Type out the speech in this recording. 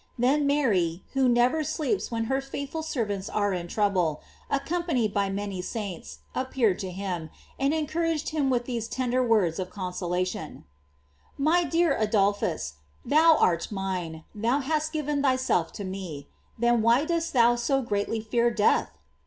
Then Mary, who never sleeps when her faithful servants are in trouble, accompanied by many saints, appeared to him, and encouraged him with these tender words of consolation : "My dear Adolphus, thou art mine, thou hast given thyself to me, then why dost thou so greatly fear death?"